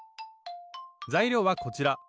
材料はこちら。